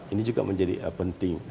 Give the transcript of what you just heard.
ini juga menjadi penting